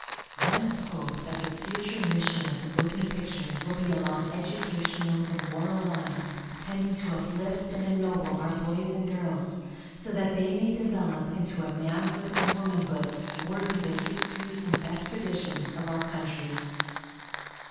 Let us hope that the future mission of the moving picture will be along educational and moral lines tending to uplift and ennoble our boys and girls so that they may develop into a manhood and womanhood worthy the history and best traditions of our country.